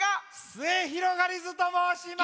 すゑひろがりずともうします！